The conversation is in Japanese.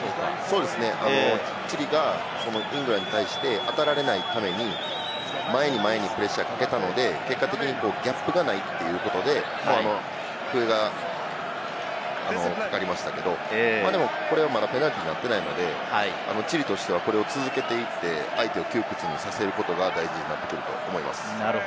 そうですね、チリがイングランドに対して当たられないめに、前に前にプレッシャーをかけたので、結果的にギャップがないということで、笛がかかりましたけど、これはまだペナルティーになってないので、チリとしてはこれを続けていって、相手を窮屈にさせることが大事になると思います。